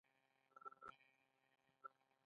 وزې خوږې شیدې ورکوي